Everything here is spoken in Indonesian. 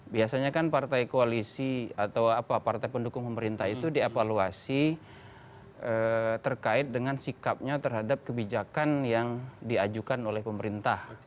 biasanya kan partai koalisi atau partai pendukung pemerintah itu dievaluasi terkait dengan sikapnya terhadap kebijakan yang diajukan oleh pemerintah